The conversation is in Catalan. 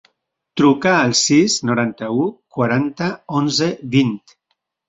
Truca al sis, noranta-u, quaranta, onze, vint.